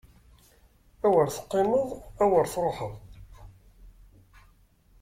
Awer teqqimeḍ! Awer truḥeḍ!